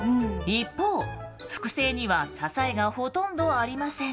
一方複製には支えがほとんどありません。